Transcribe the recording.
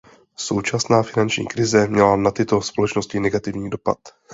Současná finanční krize měla na tyto společnosti negativní dopad.